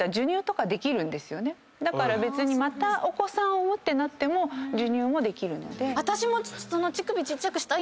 だから別にまたお子さんをってなっても授乳もできるので。